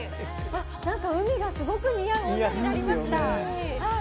海がすごく似合う女になりました！